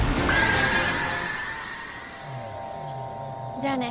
じゃあね。